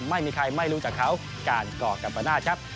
ไม่มีใครไม่รู้จักเขาการก่อกัมปนาศครับ